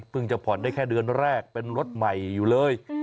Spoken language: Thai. จะผ่อนได้แค่เดือนแรกเป็นรถใหม่อยู่เลย